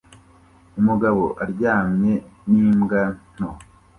Umugabo aryamanye n'imbwa nto